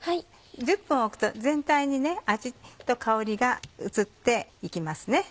１０分おくと全体に味と香りが移って行きますね。